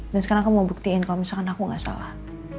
dan sekarang aku mau buktiin kalau misalkan aku gak salah